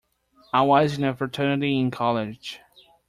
I was in a fraternity in college.